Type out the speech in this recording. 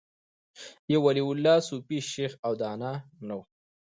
یو ولي الله، صوفي، شیخ او دانا نه و